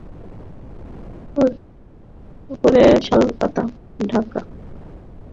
উপরে-শালপাতা-ঢাকা একটা চাঙারি লইয়া অনতিকাল পরেই কমলা কামরায় প্রবেশ করিল।